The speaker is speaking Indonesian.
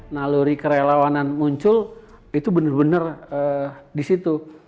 naluri kerelawanan muncul itu bener bener disitu